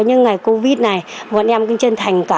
những người thuê trọ